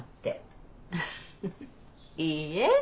いいえ